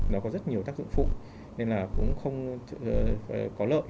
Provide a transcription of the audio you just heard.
nó có rất nhiều tác dụng phụ nên là cũng không có lợi